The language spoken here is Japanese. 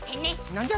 なんじゃ？